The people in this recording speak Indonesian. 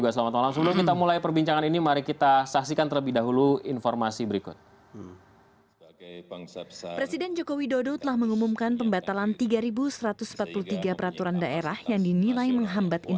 selamat malam bapak